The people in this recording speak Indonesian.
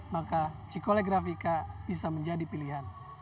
maka cikole grafika bisa menjadi pilihan